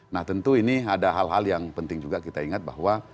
nah tentu ini ada hal hal yang penting juga kita ingat bahwa